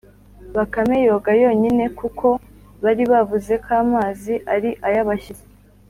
Bakame yoga yonyine kuko bari bavuze ko amazi ari ay'abashyitsi,